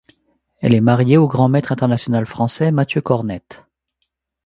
Elle est mariée au grand maître international français Matthieu Cornette.